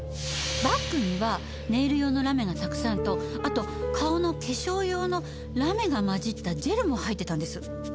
バッグにはネイル用のラメがたくさんとあと顔の化粧用のラメが混じったジェルも入ってたんです。